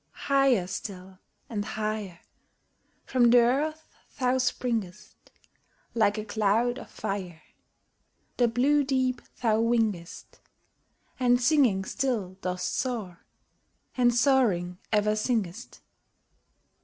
Higher still and higher From the earth thou springest: Like a cloud of fire, The blue deep thou wingest, And singing still dost soar, and soaring ever singest.